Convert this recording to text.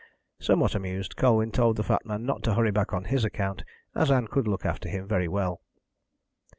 Somewhat amused, Colwyn told the fat man not to hurry back on his account, as Ann could look after him very well.